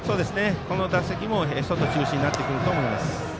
この打席も外中心になると思います。